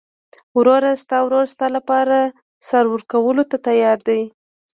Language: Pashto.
واوره، ستا ورور ستا لپاره سر ورکولو ته تیار دی.